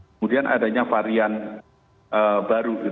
kemudian adanya varian baru